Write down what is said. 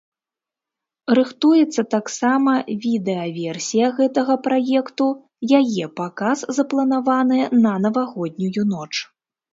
Рыхтуецца таксама відэаверсія гэтага праекту, яе паказ запланаваны на навагоднюю ноч.